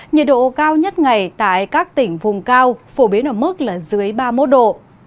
nhiệt độ cao nhất ngày tại các tỉnh vùng cao phổ biến ở mức là dưới ba mươi một độ